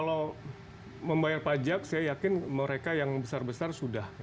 kalau membayar pajak saya yakin mereka yang besar besar sudah